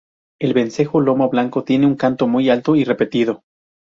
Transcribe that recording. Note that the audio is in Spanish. El vencejo lomo blanco tiene un canto muy alto y repetido.